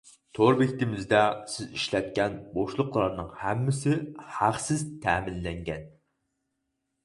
تور بېكىتىمىزدە سىز ئىشلەتكەن بوشلۇقلارنىڭ ھەممىسى ھەقسىز تەمىنلەنگەن.